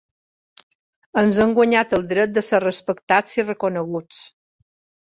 Ens hem guanyat el dret de ser respectats i reconeguts.